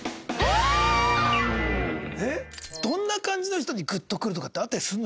どんな感じの人にグッとくるとかってあったりするの？